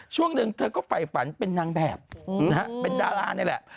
ช่วงหนึ่งเธอก็ฝ่ายฝันเป็นนางแบบนะฮะเป็นดารานี่แหละ